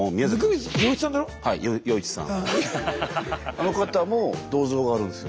あの方も銅像があるんですよ。